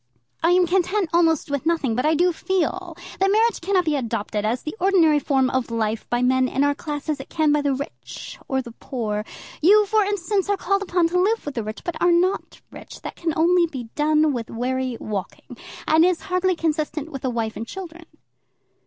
"I am content almost with nothing. But I do feel that marriage cannot be adopted as the ordinary form of life by men in our class as it can be by the rich or by the poor. You, for instance, are called upon to live with the rich, but are not rich. That can only be done by wary walking, and is hardly consistent with a wife and children."